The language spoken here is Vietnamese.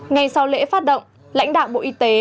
ngay sau lễ phát động lãnh đạo bộ y tế